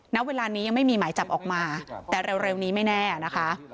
ณเวลานี้ยังไม่มีหมายจับออกมาแต่เร็วนี้ไม่แน่นะคะ